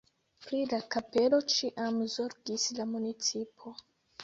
Pri la kapelo ĉiam zorgis la municipo.